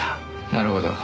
なるほど。